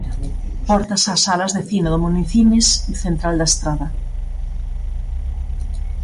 Portas ás salas de cine do Minicines Central da Estrada.